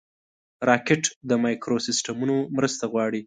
راکټ د مایکروسیسټمونو مرسته غواړي